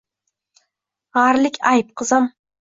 G‘arlik ayb, qizim